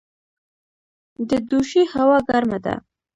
د دوشي هوا ګرمه ده